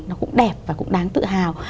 nó cũng đẹp và cũng đáng tự hào